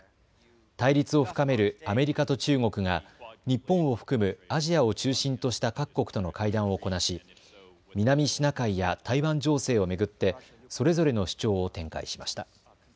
対立を深めるアメリカと中国が日本を含むアジアを中心とした各国との会談をこなし南シナ海や台湾情勢を巡ってそれぞれの主張を展開しました。